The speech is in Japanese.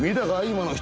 今の人」。